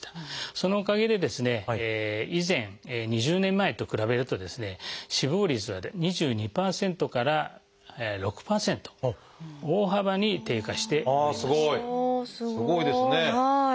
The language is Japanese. そのおかげで以前２０年前と比べるとですね死亡率は２２％から６％大幅に低下しております。